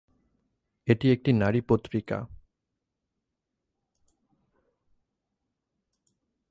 এটি একটি নারী পত্রিকা।